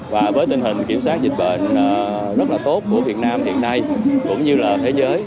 và với tình hình kiểm soát dịch bệnh rất là tốt của việt nam hiện nay cũng như là thế giới